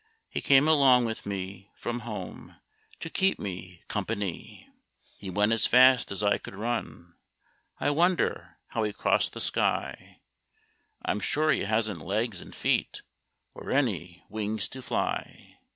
He came along with me from home To keep me company. He went as fast as I could run; I wonder how he crossed the sky? I'm sure he hasn't legs and feet Or any wings to fly.